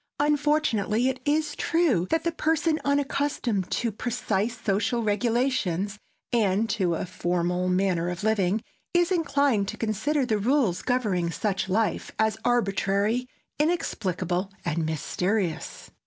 Unfortunately, it is true that the person unaccustomed to precise social regulations and to a formal manner of living, is inclined to consider the rules governing such life as arbitrary, inexplicable and mysterious.